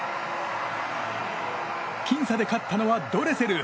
僅差で勝ったのは、ドレセル。